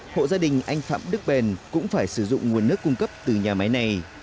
hộ gia đình anh phạm đức bền cũng phải sử dụng nguồn nước cung cấp từ nhà máy này